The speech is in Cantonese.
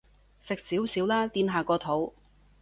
食少少啦，墊下個肚